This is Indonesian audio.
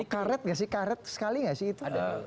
karet gak sih karet sekali nggak sih itu